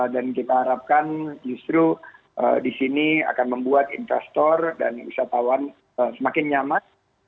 dan kita harapkan justru di sini akan membuat investor dan wisatawan semakin nyaman